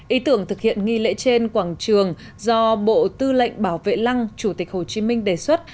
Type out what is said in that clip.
ý tưởng thực hiện nghi lễ trên quảng trường do bộ tư lệnh bảo vệ lăng chủ tịch hồ chí minh đề xuất